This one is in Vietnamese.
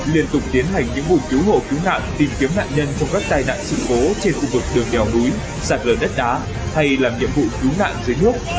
liên tục tiến hành những vụ cứu hộ cứu nạn tìm kiếm nạn nhân trong các tai nạn sự cố trên khu vực đường kèo núi sạt lở đất đá hay làm nhiệm vụ cứu nạn dưới nước